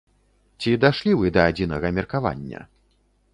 Ці дашлі вы да адзінага меркавання?